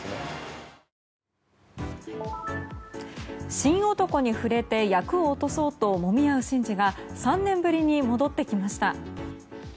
神男に触れて厄を落とそうともみ合う神事が３年ぶりに戻ってきました。